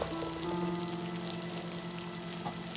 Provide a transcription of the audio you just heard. ini bolong kiri